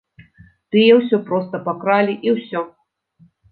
Тыя ўсё проста пакралі і ўсё!